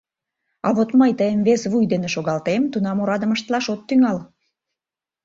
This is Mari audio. А вот мый тыйым вес вуй дене шогалтем, тунам орадым ыштылаш от тӱҥал.